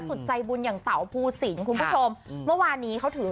สุดใจบุญอย่างเต๋าภูสินคุณผู้ชมเมื่อวานนี้เขาถือ